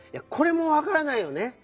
これもわからないよね。